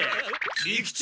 利吉。